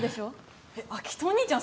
えっ明人お兄ちゃん